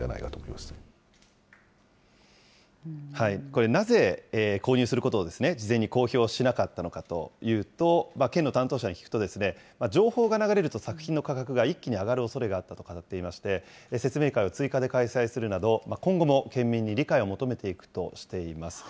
これ、なぜ購入することを事前に公表しなかったのかというと、県の担当者に聞くと、情報が流れると、作品の価格が一気に上がるおそれがあると語っていまして、説明会を追加で開催するなど、今後も県民に理解を求めていくとしています。